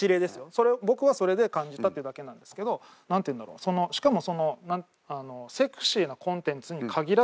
僕はそれで感じたっていうだけなんですけど。なんていうんだろうしかも。